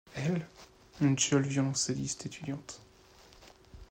Elle, une jeune violoncelliste, étudiante.